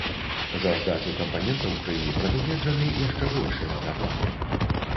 За здачу кампанентаў крыві прадугледжаны яшчэ большыя даплаты.